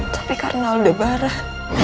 tapi karena aldebaran